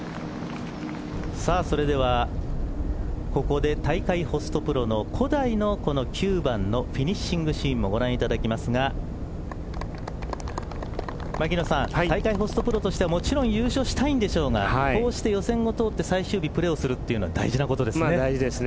それではここで大会ホストプロの小鯛のこの９番のフィニッシングシーンもご覧いただきますが大会ホストプロとしてもちろん優勝したいんでしょうがこうして予選を通って最終日プレーするというのは大事ですね。